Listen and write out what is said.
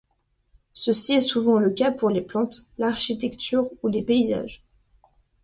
Ceci est souvent le cas pour les plantes, l'architecture ou les paysages.